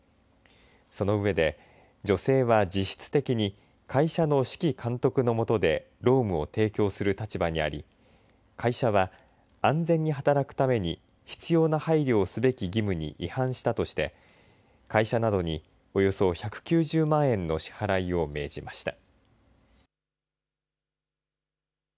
その上で女性は実質的に会社の指揮監督のもとで労務を提供する立場にあり会社は安全に働くために必要な配慮をすべき義務に違反したとして会社などに、およそ１９０万円の支払いを命じました。